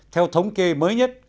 theo thống kê mới nhất